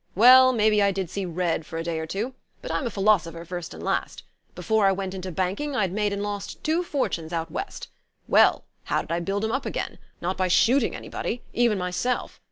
"Well, maybe I did see red for a day or two but I'm a philosopher, first and last. Before I went into banking I'd made and lost two fortunes out West. Well, how did I build 'em up again? Not by shooting anybody even myself.